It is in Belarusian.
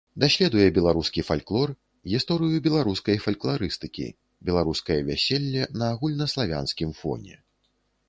Даследуе беларускі фальклор, гісторыю беларускай фалькларыстыкі, беларускае вяселле на агульнаславянскім фоне.